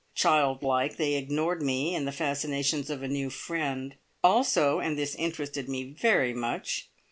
Child like, they ignored me in the fascinations of a new friend; also and this interested me very much!